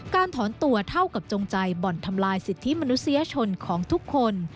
ถอนตัวเท่ากับจงใจบ่อนทำลายสิทธิมนุษยชนของทุกคน